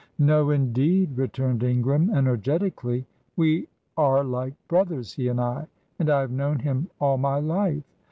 "No, indeed," returned Ingram, energetically. "We are like brothers, he and I, and I have known him all my life.